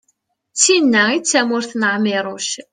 d tin-a i d tamurt n ԑmiruc